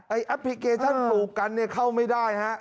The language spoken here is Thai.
แอปพลิเคชันปลูกกันเนี่ยเข้าไม่ได้ฮะ